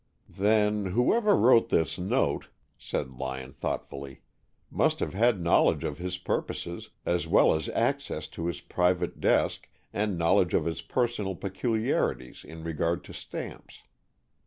"Then whoever wrote this note," said Lyon, thoughtfully, "must have had knowledge of his purposes as well as access to his private desk and knowledge of his personal peculiarities in regard to stamps.